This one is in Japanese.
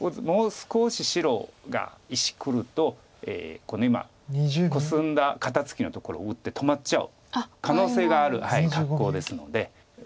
もう少し白が石くるとこの今コスんだ肩ツキのところ打って止まっちゃう可能性がある格好ですので。